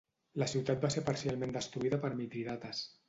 La ciutat va ser parcialment destruïda per Mitridates.